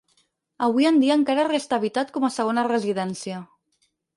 Avui en dia encara resta habitat com a segona residència.